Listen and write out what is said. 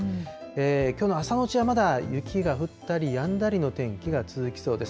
きょうの朝のうちは、まだ雪が降ったりやんだりの天気が続きそうです。